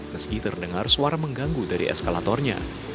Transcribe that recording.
meski terdengar suara mengganggu dari eskalatornya